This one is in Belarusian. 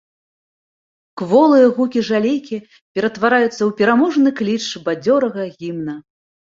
Кволыя гукі жалейкі ператвараюцца ў пераможны кліч бадзёрага гімна.